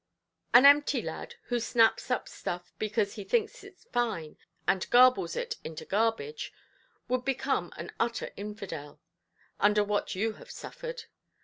An empty lad, who snaps up stuff because he thinks it fine, and garbles it into garbage, would become an utter infidel, under what you have suffered.